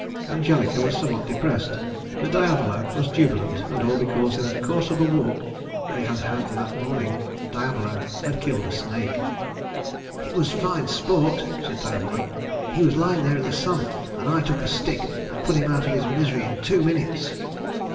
Angelica was somewhat depressed, but Diavolo was jubilant and all because in the course of a walk they had had that morning Diavolo had killed a snake. "It was fine sport," said Diavolo. "He was lying there in the sun, and I took a stick and put him out of his misery in two minutes."